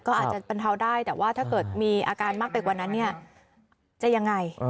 ก็อาจจะบรรเทาได้แต่ว่าถ้าเกิดมีอาการมากไปกว่านั้นเนี่ยจะยังไง